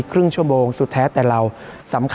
ครึ่งชั่วโบงสุดแท้แต่เรา